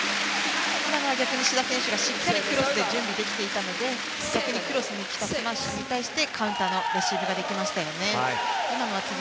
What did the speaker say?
今のは逆に志田選手がクロスで準備できていたのでクロスに来たスマッシュに対してカウンターのレシーブができましたね。